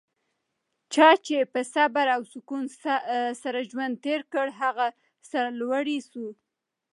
چا چي په صبر او سکون سره ژوند تېر کړ؛ هغه سرلوړی سو.